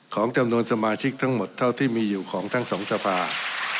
ของจำนวนสมาชิกทั้งหมดเท่าที่มีอยู่ของทั้งสองสภา